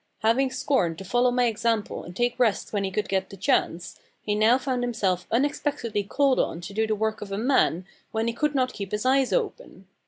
Having scorned to follow my example and take rest when he could get the chance, he now found himself unexpectedly called on to do the work of a man when he could not keep his eyes open.